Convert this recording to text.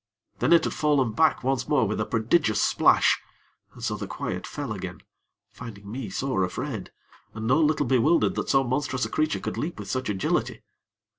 Then it had fallen back once more with a prodigious splash, and so the quiet fell again, finding me sore afraid, and no little bewildered that so monstrous a creature could leap with such agility.